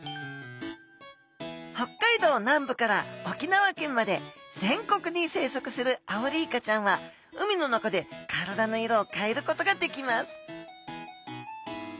北海道南部から沖縄県まで全国に生息するアオリイカちゃんは海の中で体の色を変えることができます